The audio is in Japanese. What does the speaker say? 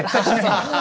ハハハ！